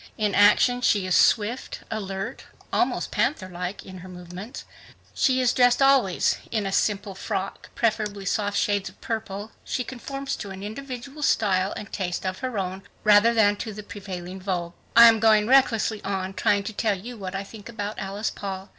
In action she is swift, alert, almost panther like in her movements. Dressed always in simple frocks, preferably soft shades of purple, she conforms to an individual style and taste of her own rather than to the prevailing vogue. I am going recklessly on to try to tell what I think about Alice Paul.